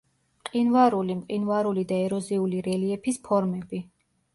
მყინვარული, მყინვარული და ეროზიული რელიეფის ფორმები.